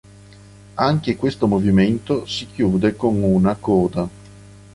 Anche questo movimento di chiude con una Coda.